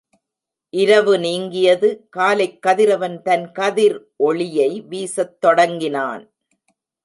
இரவு நீங்கியது காலைக் கதிரவன் தன் கதிர் ஒளியை வீசத் தொடங்கினான்.